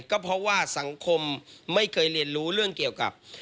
ก็เพราะว่าสังคมไม่เคยเรียนรู้เรื่องเกี่ยวกับ